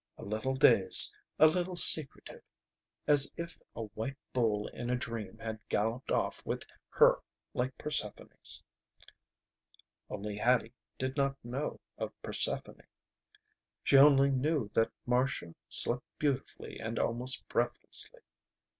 A little dazed. A little secretive. As if a white bull in a dream had galloped off with her like Persephone's. Only Hattie did not know of Persephone. She only knew that Marcia slept beautifully and almost breathlessly.